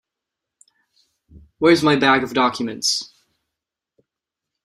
Where's my bag of documents?